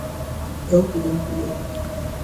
Ew bilind bûye.